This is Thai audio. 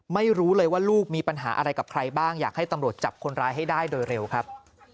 ไม่รู้เลยว่าลูกมีปัญหาอะไรกับใครบ้างอยากให้ตำรวจจับคนร้ายให้ได้โดยเร็วครับ